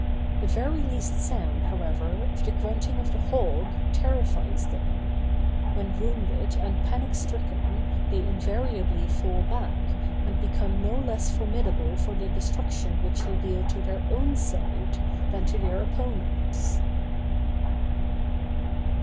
The very least sound, however, of the grunting of the hog terrifies them: when wounded and panic stricken, they invariably fall back, and become no less formidable for the destruction which they deal to their own side, than to their opponents.